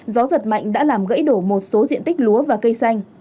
gió giật mạnh đã làm gãy đổ một số diện tích lúa và cây xanh